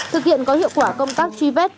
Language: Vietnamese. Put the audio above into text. thực hiện có hiệu quả công tác truy vết